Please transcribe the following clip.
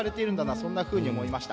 そんなふうに思いました。